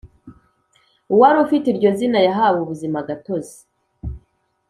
uwari ufite iryo zina yahawe ubuzima gatozi